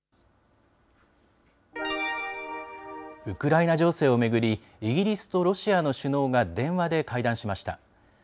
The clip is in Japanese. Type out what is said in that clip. ウクライナ情勢を巡り、イギリスとロシアの首脳が電話で会談しました。